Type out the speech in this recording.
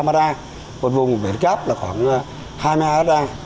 một vùng bề cáp là khoảng hai mươi hai ha